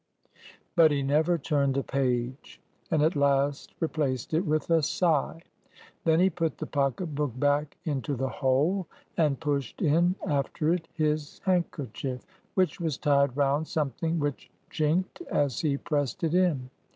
But he never turned the page, and at last replaced it with a sigh. Then he put the pocket book back into the hole, and pushed in after it his handkerchief, which was tied round something which chinked as he pressed it in.